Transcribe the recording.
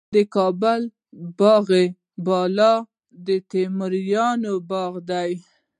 د کابل باغ بالا د تیموري باغ دی